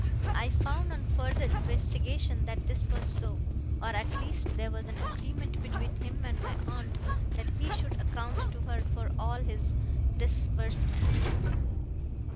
I found on further investigation that this was so, or at least there was an agreement between him and my aunt that he should account to her for all his disbursements.